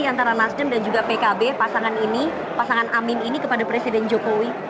antara nasdem dan juga pkb pasangan ini pasangan amin ini kepada presiden jokowi